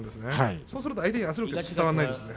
そうすると相手に圧力が伝わらないです。